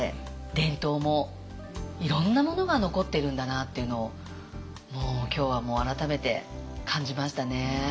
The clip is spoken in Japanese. いろんなものが残ってるんだなっていうのを今日は改めて感じましたね。